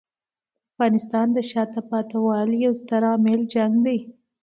د افغانستان د شاته پاتې والي یو ستر عامل جنګ دی.